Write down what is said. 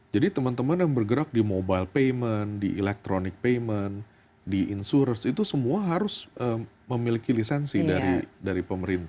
jadi teman teman yang bergerak di mobile payment di electronic payment di insuransi itu semua harus memiliki lisensi dari pemerintah